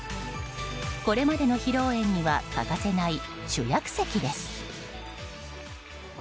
これまでの披露宴には欠かせない主役席です。